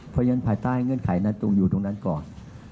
เพราะฉะนั้นภายใต้เงื่อนไขนั้นต้องอยู่ตรงนั้นก่อน